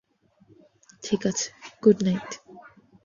ঠিক আছে, good night.